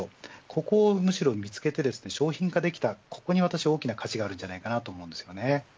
ここを、むしろ見つけて商品化できたここに大きな価値があると思います。